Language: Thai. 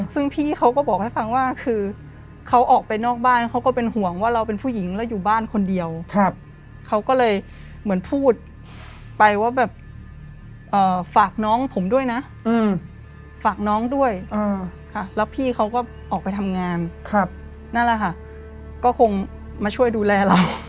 ซึ่งพี่เขาก็บอกให้ฟังว่าคือเขาออกไปนอกบ้านเขาก็เป็นห่วงว่าเราเป็นผู้หญิงแล้วอยู่บ้านคนเดียวเขาก็เลยเหมือนพูดไปว่าแบบฝากน้องผมด้วยนะฝากน้องด้วยแล้วพี่เขาก็ออกไปทำงานนั่นแหละค่ะก็คงมาช่วยดูแลเรา